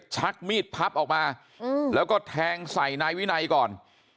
ชักมีดพับออกมาแล้วก็แทงใส่นายวินัยก่อน